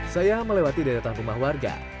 saya melewati daerah rumah warga